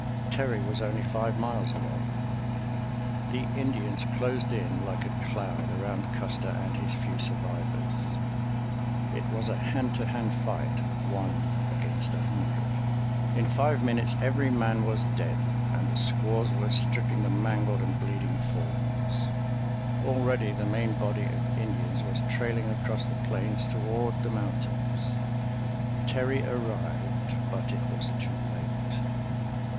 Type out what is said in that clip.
Terry was only five miles away. The Indians closed in like a cloud around Custer and his few survivors. It was a hand to hand fight—one against a hundred. In five minutes every man was dead, and the squaws were stripping the mangled and bleeding forms. Already the main body of Indians was trailing across the plains toward the mountains. Terry arrived, but it was too late.